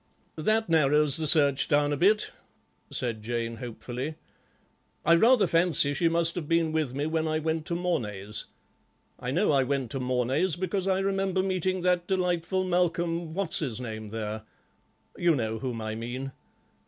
"That narrows the search down a bit," said Jane hopefully; "I rather fancy she must have been with me when I went to Mornay's. I know I went to Mornay's, because I remember meeting that delightful Malcolm What's his name there—you know whom I mean.